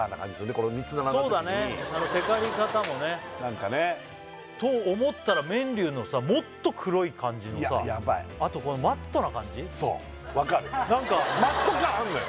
この３つ並んだときにそうだねあのテカり方もねと思ったら麺龍のもっと黒い感じのさあとこのマットな感じそうわかるマット感あんのよ